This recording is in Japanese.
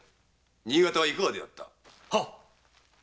新潟はいかがであった？